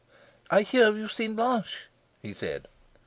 "I hear you've seen Blanche," he said.